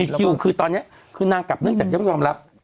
คิวคือตอนนี้คือนางกลับเนื่องจากต้องยอมรับ